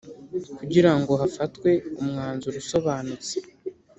kugira ngo hafatwe umwanzuro usobanutse